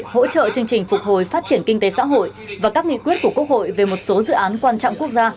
hỗ trợ chương trình phục hồi phát triển kinh tế xã hội và các nghị quyết của quốc hội về một số dự án quan trọng quốc gia